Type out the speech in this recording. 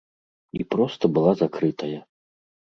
І проста была закрытая.